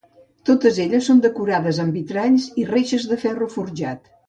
Totes elles són decorades amb vitralls i reixes de ferro forjat.